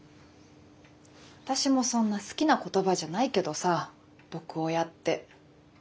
私もそんな好きな言葉じゃないけどさ毒親って。